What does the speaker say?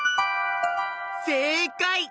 せいかい！